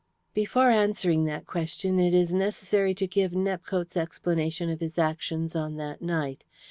"Before answering that question it is necessary to give Nepcote's explanation of his actions on that night.